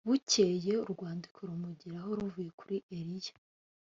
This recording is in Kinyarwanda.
bukeye urwandiko rumugeraho ruvuye kuri eliya